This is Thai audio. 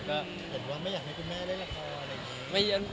หรือว่าไม่อยากให้คุณแม่ได้รักษาอะไรอย่างนี้